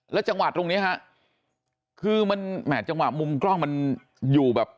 แล้วจังหวัดตรงนี้ค่ะมุมกล้องมันอยู่แบบ